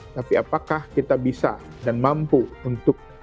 tapi apakah kita bisa dan mampu untuk